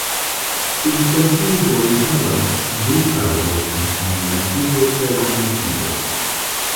Substantivoj havas du kazojn: nominativo kaj genitivo.